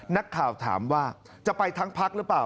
นักข่าวถามว่าจะไปทั้งพักหรือเปล่า